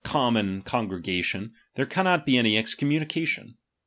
common congregation, there cannot be any excom "" munication.